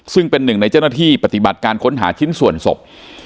ซึ่งเป็นหนึ่งในเจ้าหน้าที่ปฏิบัติการค้นหาชิ้นส่วนศพ